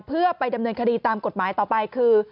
เพื่อไปดำเนินคดีตามกฎหมายต่อไปคือ